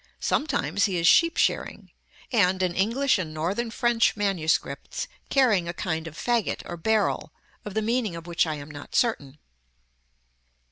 Sometimes he is sheep shearing; and, in English and northern French manuscripts, carrying a kind of fagot or barrel, of the meaning of which I am not certain.